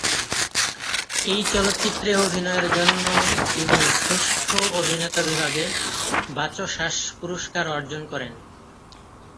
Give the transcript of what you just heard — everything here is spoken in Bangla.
এই চলচ্চিত্রে অভিনয়ের জন্য তিনি শ্রেষ্ঠ অভিনেতা বিভাগে বাচসাস পুরস্কার অর্জন করেন।